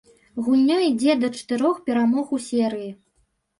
Гульня ідзе да чатырох перамог у серыі.